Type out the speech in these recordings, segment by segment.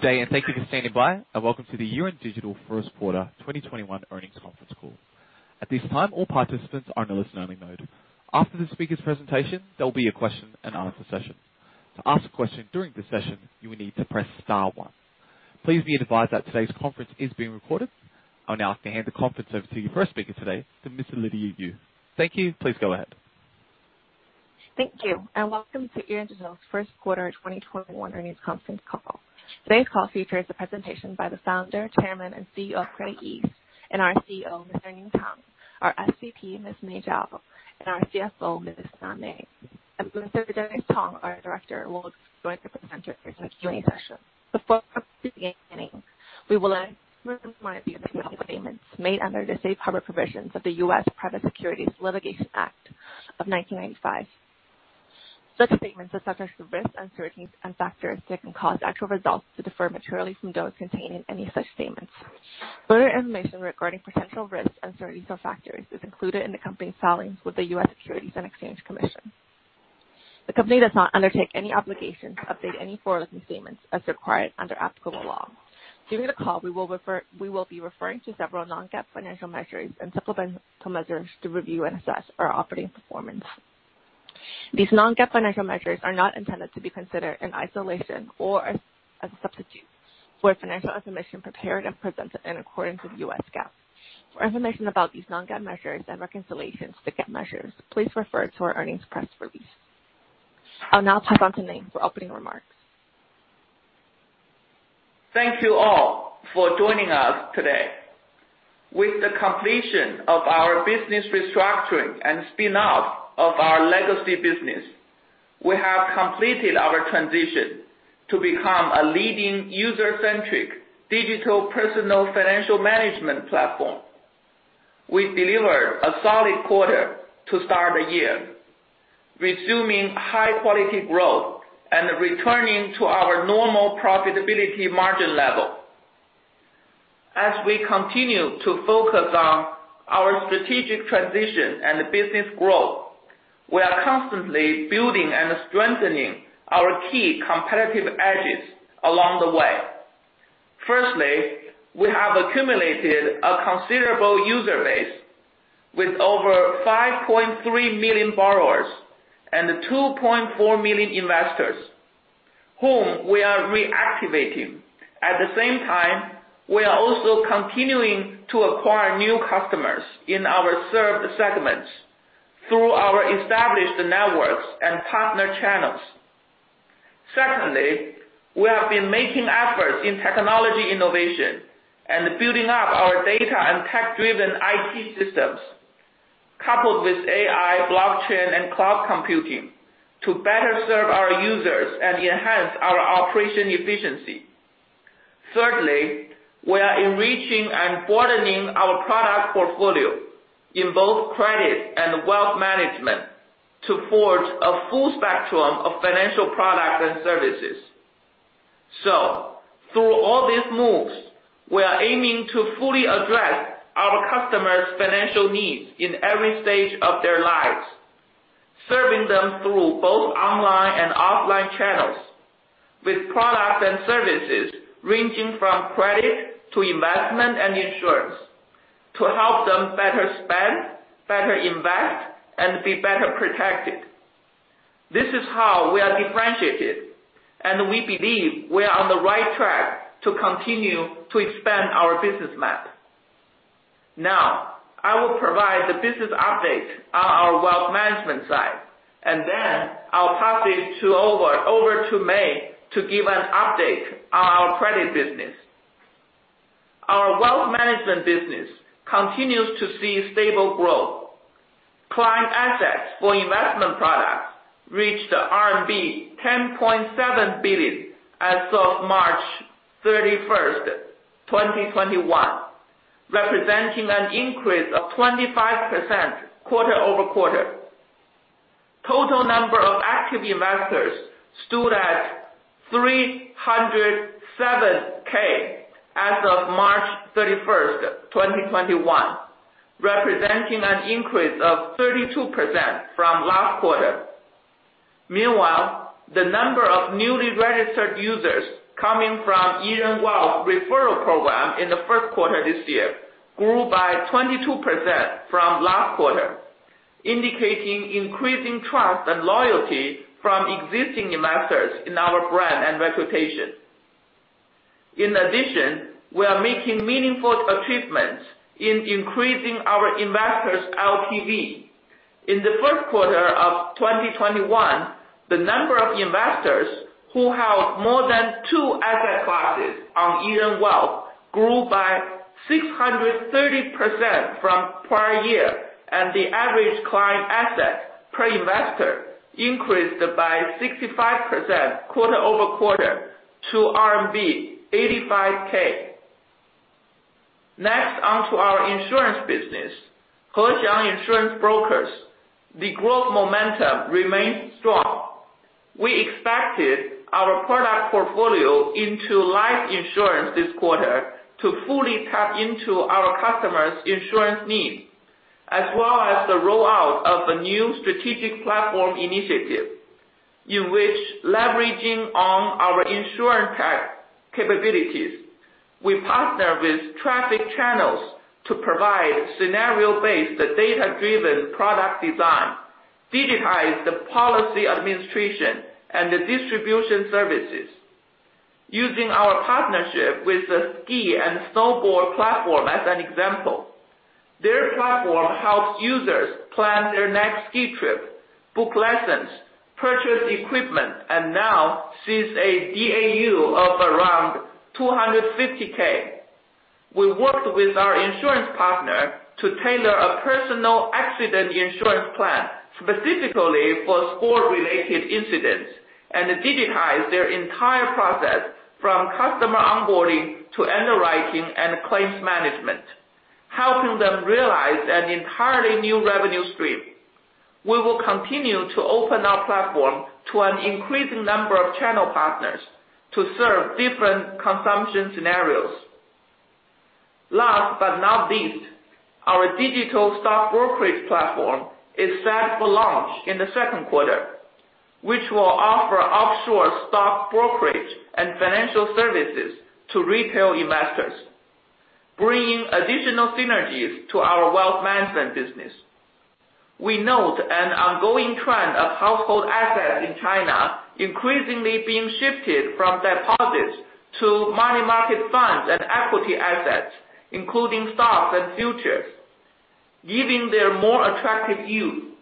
Good day, and thank you for standing by, and welcome to the Yiren Digital First Quarter 2021 Earnings Conference Call. At this time, all participants are in a listen-only mode. After the speaker's presentation, there'll be a question and answer session. To ask a question during the session, you will need to press star one. Please be advised that today's conference is being recorded. I'll now hand the conference over to the first speaker today, Ms. Lydia Yu. Thank you. Please go ahead. Thank you. Welcome to Yiren Digital's First Quarter 2021 Earnings Conference call. Today's call features a presentation by the Founder, Chairman, and CEO, CreditEase, and our CEO, Ning Tang, our SVP, Ms. Mei Zhao, and our CFO, Ms. Na Mei. Mr. Dennis Cong, our Director, will explain the presentation for today's session. Before proceeding, we will make forward-looking statements made under the safe harbor provisions of the U.S. Private Securities Litigation Reform Act of 1995. Such statements are subject to risks, uncertainties, and factors that can cause actual results to differ materially from those contained in any such statements. Further information regarding potential risks and uncertainties factors is included in the company's filings with the U.S. Securities and Exchange Commission. The company does not undertake any obligation to update any forward-looking statements as required under applicable law. During the call, we will be referring to several non-GAAP financial measures and supplemental measures to review with us our operating performance. These non-GAAP financial measures are not intended to be considered in isolation or as substitutes for financial information prepared and presented in accordance with U.S. GAAP. For information about these non-GAAP measures and reconciliations to GAAP measures, please refer to our earnings press release. I'll now pass on to Ning for opening remarks. Thank you all for joining us today. With the completion of our business restructuring and spin-off of our legacy business, we have completed our transition to become a leading user-centric digital personal financial management platform. We delivered a solid quarter to start the year, resuming high-quality growth and returning to our normal profitability margin level. As we continue to focus on our strategic transition and business growth, we are constantly building and strengthening our key competitive edges along the way. Firstly, we have accumulated a considerable user base with over 5.3 million borrowers and 2.4 million investors whom we are reactivating. At the same time, we are also continuing to acquire new customers in our served segments through our established networks and partner channels. Secondly, we have been making efforts in technology innovation and building up our data and tech-driven IT systems, coupled with AI, blockchain, and cloud computing to better serve our users and enhance our operation efficiency. Thirdly, we are enriching and broadening our product portfolio in both credit and wealth management to forge a full spectrum of financial products and services. Through all these moves, we are aiming to fully address our customers' financial needs in every stage of their lives, serving them through both online and offline channels with products and services ranging from credit to investment and insurance to help them better spend, better invest, and be better protected. This is how we are differentiated, and we believe we are on the right track to continue to expand our business model. I will provide the business update on our wealth management side. I'll pass it over to Mei to give an update on our credit business. Our wealth management business continues to see stable growth. Client assets for investment products reached RMB 10.7 billion as of March 31st, 2021, representing an increase of 25% quarter-over-quarter. Total number of active investors stood at 307,000 as of March 31st, 2021, representing an increase of 32% from last quarter. The number of newly registered users coming from Yiren Wealth referral program in the first quarter this year grew by 22% from last quarter, indicating increasing trust and loyalty from existing investors in our brand and reputation. We are making meaningful achievements in increasing our investors' LTV. In the first quarter of 2021, the number of investors who held more than two asset classes on Yiren Wealth grew by 630% from prior year, and the average client asset per investor increased by 65% quarter-over-quarter to RMB 85,000. Next, onto our insurance business. Hexiang Insurance Brokers, the growth momentum remains strong. We expanded our product portfolio into life insurance this quarter to fully tap into our customers' insurance needs. As well as the rollout of a new strategic platform initiative, in which leveraging on our insurance capabilities, we partner with traffic channels to provide scenario-based, data-driven product design, digitize the policy administration, and the distribution services. Using our partnership with the ski and snowboard platform as an example. Their platform helps users plan their next ski trip, book lessons, purchase equipment, and now sees a DAU of around 250,000. We worked with our insurance partner to tailor a personal accident insurance plan specifically for sport-related incidents, and digitize their entire process from customer onboarding to underwriting and claims management, helping them realize an entirely new revenue stream. We will continue to open our platform to an increased number of channel partners to serve different consumption scenarios. Our digital stock brokerage platform is set for launch in the second quarter, which will offer offshore stock brokerage and financial services to retail investors, bringing additional synergies to our wealth management business. We note an ongoing trend of household assets in China increasingly being shifted from deposits to money market funds and equity assets, including stocks and futures, yielding their more attractive yield.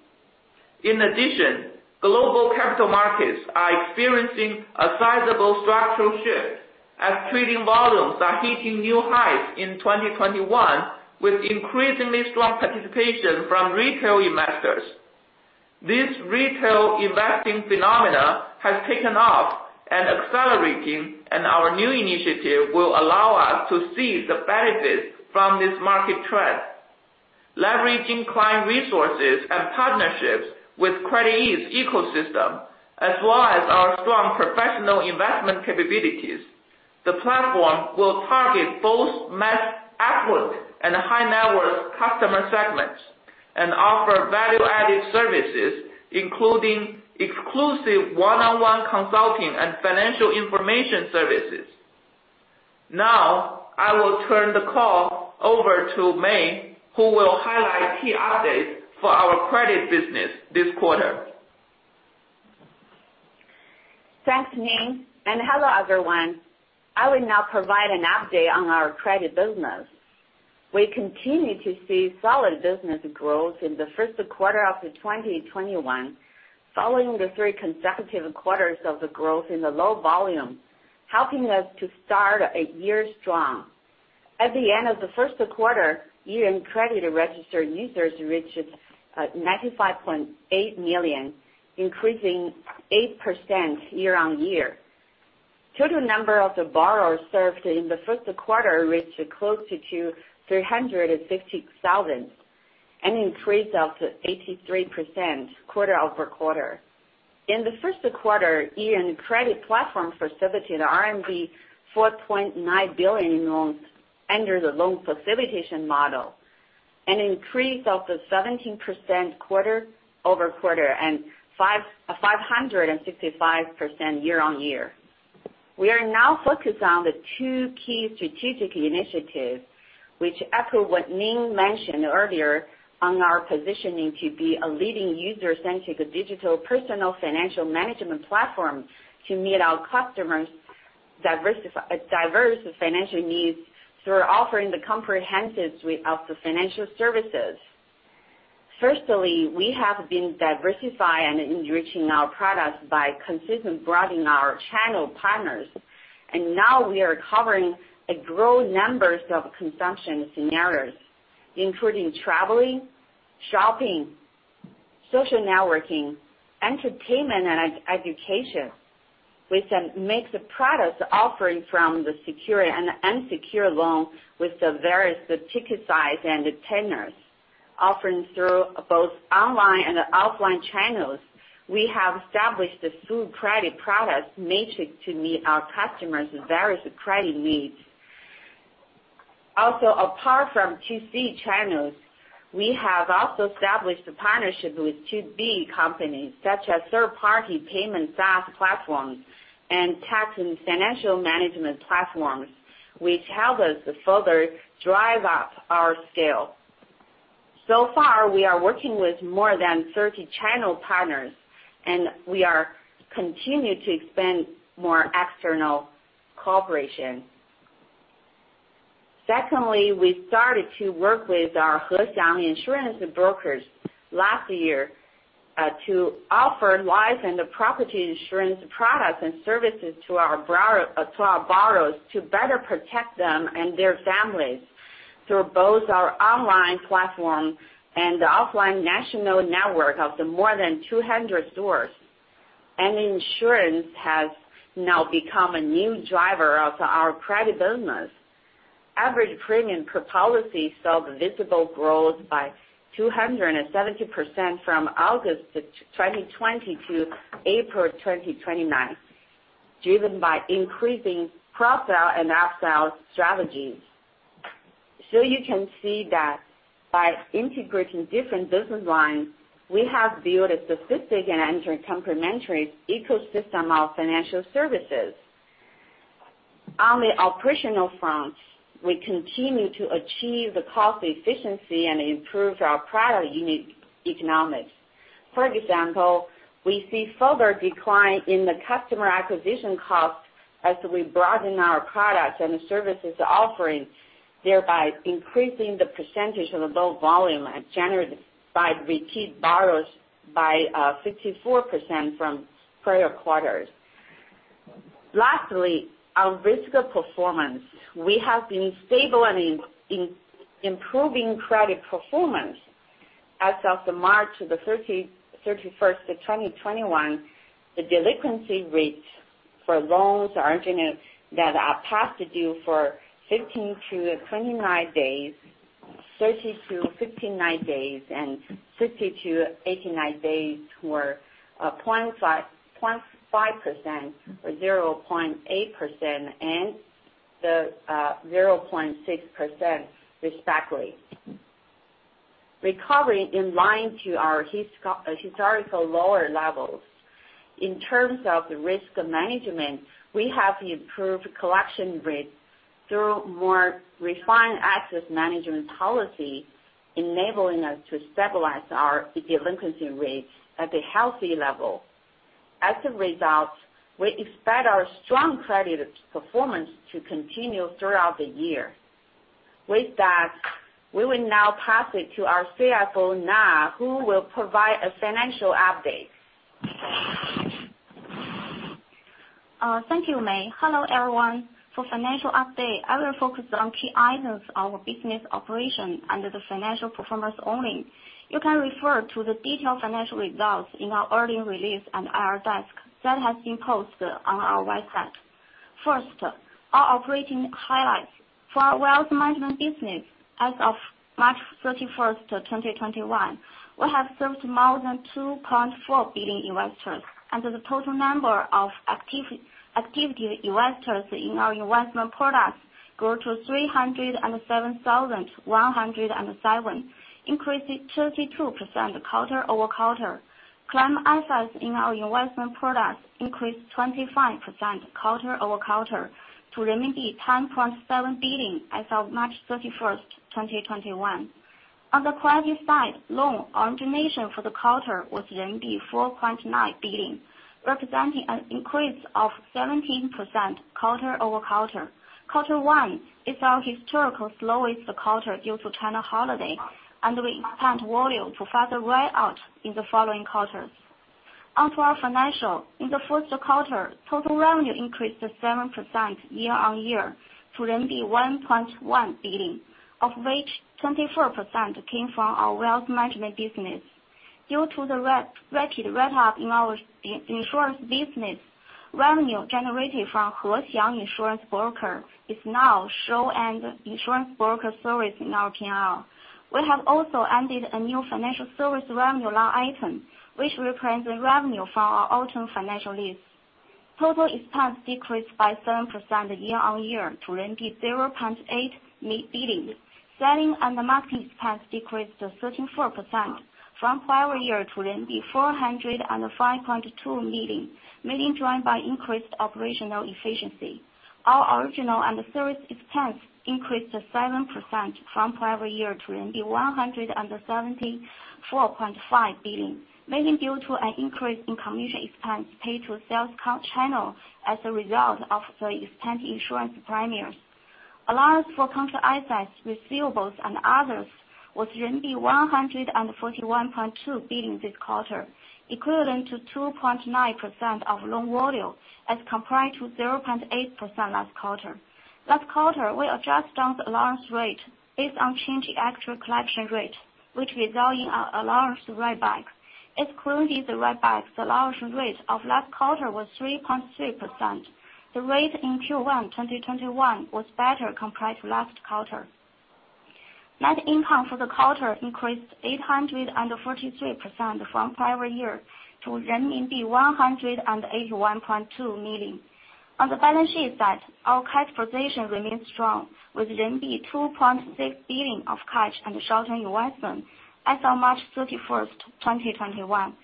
In addition, global capital markets are experiencing a sizable structural shift as trading volumes are hitting new highs in 2021 with increasingly strong participation from retail investors. This retail investing phenomena has taken off and accelerating, and our new initiative will allow us to seize the benefits from this market trend. Leveraging client resources and partnerships with CreditEase ecosystem, as well as our strong professional investment capabilities, the platform will target both mass affluent and high-net-worth customer segments and offer value-added services, including exclusive one-on-one consulting and financial information services. Now, I will turn the call over to Mei, who will highlight key updates for our credit business this quarter. Thanks, Ning, and hello, everyone. I will now provide an update on our credit business. We continue to see solid business growth in the first quarter of 2021, following the three consecutive quarters of the growth in the loan volume, helping us to start a year strong. At the end of the first quarter, Yiren Credit registered users reached 95.8 million, increasing 8% year-on-year. Total number of the borrowers served in the first quarter reached close to 360,000 and increased up to 83% quarter-over-quarter. In the first quarter, Yiren Credit platform facilitated RMB 4.9 billion in loans under the loan facilitation model and increased up to 17% quarter-over-quarter and 565% year-on-year. We are now focused on the two key strategic initiatives, which echo what Ning mentioned earlier on our positioning to be a leading user-centric digital personal financial management platform to meet our customers' diverse financial needs through offering the comprehensive suite of financial services. Firstly, we have been diversifying and enriching our products by consistently broadening our channel partners, and now we are covering a growing number of consumption scenarios, including traveling, shopping, social networking, entertainment, and education. With a mix of products offering from the secured and unsecured loan with various ticket size and tenures, offering through both online and offline channels, we have established a full credit product matrix to meet our customers' various credit needs. Apart from 2C channels, we have also established partnerships with 2B companies such as third-party payment SaaS platforms and tax and financial management platforms, which help us to further drive up our scale. So far, we are working with more than 30 channel partners, and we are continuing to expand more external cooperation. Secondly, we started to work with Hexiang Insurance Brokers last year to offer life and property insurance products and services to our borrowers to better protect them and their families through both our online platform and offline national network of more than 200 stores. Insurance has now become a new driver of our credit business. Average premium per policy saw visible growth by 270% from August 2020 to April 2021, driven by increasing cross-sell and up-sell strategies. You can see that by integrating different business lines, we have built a specific and inter-complementary ecosystem of financial services. On the operational front, we continue to achieve the cost efficiency and improve our product unit economics. For example, we see further decline in the customer acquisition cost as we broaden our products and services offering, thereby increasing the percentage of loan volume generated by repeat borrowers by 54% from prior quarters. Lastly, our risk performance. We have been stable and improving credit performance. As of March 31st of 2021, the delinquency rate for loans originated that are past due for 16 days-29 days, 30 days-59 days, and 60 days-89 days were 0.5%, 0.8%, and 0.6% respectively. Recovery in line to our historical lower levels. In terms of risk management, we have improved collection rates through more refined asset management policy, enabling us to stabilize our delinquency rates at a healthy level. As a result, we expect our strong credit performance to continue throughout the year. With that, we will now pass it to our CFO, Na, who will provide a financial update. Thank you, Mei. Hello, everyone. For financial update, I will focus on key items, our business operation and the financial performance only. You can refer to the detailed financial results in our early release on IR that has been posted on our website. First, our operating highlights. For our wealth management business, as of March 31st, 2021, we have served more than 2.4 billion investors, and the total number of active investors in our investment products grew to 307,107, increasing 32% quarter-over-quarter. Client assets in our investment products increased 25% quarter-over-quarter to 10.7 billion as of March 31st, 2021. On the credit side, loan origination for the quarter was RMB 4.9 billion, representing an increase of 17% quarter-over-quarter. Q1 is our historical slowest quarter due to China holiday. We expect volume to further roll out in the following quarters. Onto our financial. In the first quarter, total revenue increased 7% year-on-year to RMB 1.1 billion, of which 24% came from our wealth management business. Due to the rapid ramp up in our insurance business, revenue generated from Hexiang Insurance Brokers is now shown as insurance broker service in our P&L. We have also added a new financial service revenue line item, which represents revenue from our auto financial lease. Total expense decreased by 7% year-on-year to RMB 0.8 million. Selling and marketing expense decreased to 34% from prior year to RMB 405.2 million, mainly driven by increased operational efficiency. Our origination and service expense increased to 7% from prior year to 174.5 billion, mainly due to an increase in commission expense paid to sales channel as a result of the extended insurance premiums. Allowance for credit assets, receivables and others was RMB 141.2 billion this quarter, equivalent to 2.9% of loan volume as compared to 0.8% last quarter. Last quarter, we adjusted the allowance rate based on changed actual collection rate, which resulted in an allowance write-back. Excluding the write-back, the allowance rate of last quarter was 3.3%. The rate in Q1 2021 was better compared to last quarter. Net income for the quarter increased 843% from prior year to renminbi 181.2 million. On the balance sheet side, our cash position remains strong, with renminbi 2.6 billion of cash and short-term investments as of March 31st, 2021.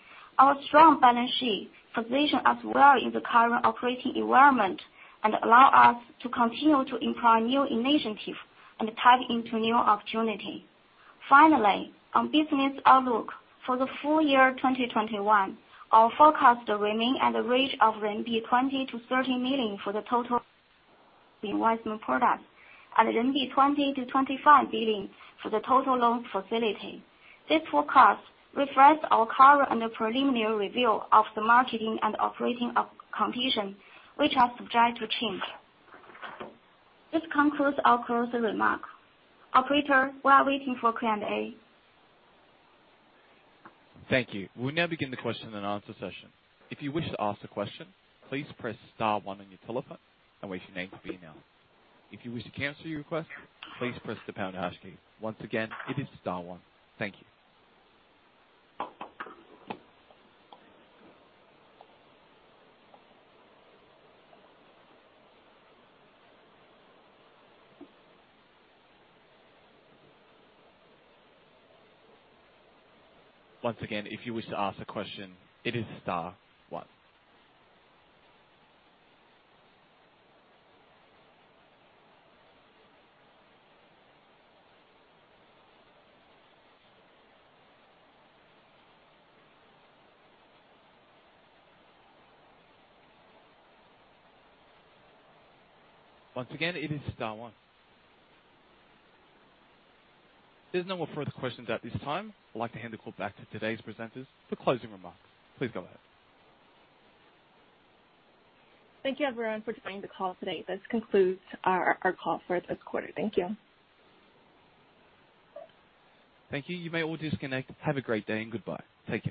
Our strong balance sheet positions us well in the current operating environment and allow us to continue to employ new initiatives and tap into new opportunity. Finally, on business outlook. For the full year 2021, our forecast remain at a range of 20 million-30 million RMB for the total investment product and 20 billion-25 billion RMB for the total loan facilitation. This forecast reflects our current and preliminary review of the marketing and operating conditions, which are subject to change. This concludes our closing remarks. Operator, we are waiting for Q&A. Thank you. We now begin the question and answer session. If you wish to ask a question, please press star one on your telephone and wait for your name to be announced. If you wish to cancel your request, please press the pound hashtag. Once again, it is star one. Thank you. Once again, if you wish to ask a question, it is star one. Once again, it is star one. There's no more further questions at this time. I'd like to hand it back to today's presenters for closing remarks. Please go ahead. Thank you everyone for joining the call today. This concludes our call for this quarter. Thank you. Thank you. You may all disconnect. Have a great day and goodbye. Take care.